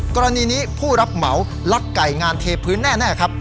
กรณีนี้ผู้รับเหมาลักไก่งานเทพื้นแน่ครับ